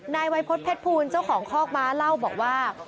นายวัยพฤษเพชรภูลเจ้าของคอกม้าเล่าบอกว่า